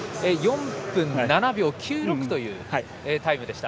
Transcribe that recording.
４分７秒９６というタイムでした。